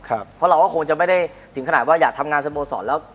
เพราะเราก็คงจะไม่ได้ถึงขนาดว่าอยากทำงานสโมสรแล้ว